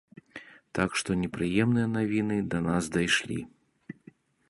Так што непрыемныя навіны да нас дайшлі.